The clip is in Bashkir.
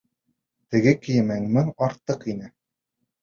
Теге кейемең мең артыҡ ине!